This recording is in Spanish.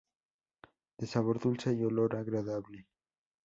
De sabor dulce y olor agradable.